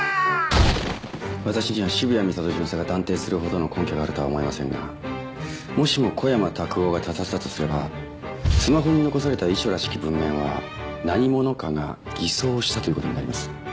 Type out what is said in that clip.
私には渋谷美里巡査が断定するほどの根拠があるとは思えませんがもしも小山卓夫が他殺だとすればスマホに残された遺書らしき文面は何者かが偽装したという事になります。